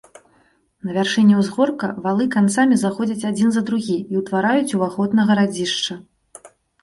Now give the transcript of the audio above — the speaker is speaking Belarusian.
На вяршыні ўзгорка валы канцамі заходзяць адзін за другі і ўтвараюць уваход на гарадзішча.